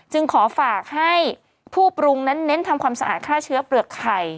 ขอฝากให้ผู้ปรุงนั้นเน้นทำความสะอาดฆ่าเชื้อเปลือกไข่